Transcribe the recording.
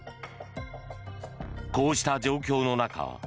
こうした状況の中